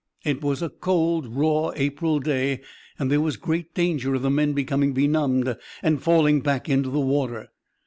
It was a cold, raw April day, and there was great danger of the men becoming benumbed and falling back into the water.